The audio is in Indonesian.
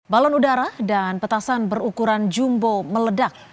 balon udara dan petasan berukuran jumbo meledak